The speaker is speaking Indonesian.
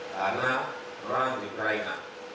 karena perang di peraina